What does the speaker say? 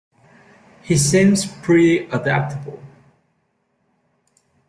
He seems pretty adaptable